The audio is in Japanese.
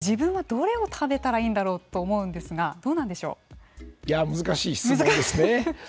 これ、自分はどれを食べたらいいんだろうと思うんですが難しい質問ですね。